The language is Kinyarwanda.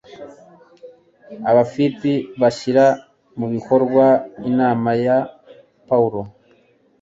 abafipi bashyira mu bikorwa inama ya Pawulo